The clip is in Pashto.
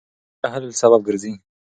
د تعلیم نشتوالی د جهل سبب ګرځي.